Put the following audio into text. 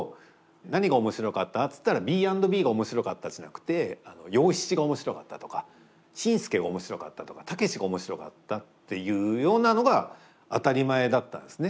何が面白かったっていったらＢ＆Ｂが面白かったんじゃなくて洋七が面白かったとか紳助が面白かったとかたけしが面白かったっていうようなのが当たり前だったんですね。